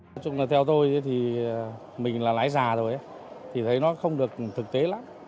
nói chung là theo tôi thì mình là lái già rồi thì thấy nó không được thực tế lắm